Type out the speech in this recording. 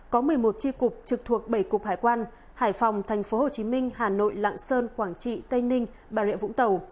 có một mươi một tri cục trực thuộc bảy cục hải quan hải phòng tp hcm hà nội lạng sơn quảng trị tây ninh bà rịa vũng tàu